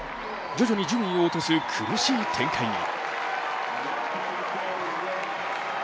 徐々に順位を落とす苦しい展開に。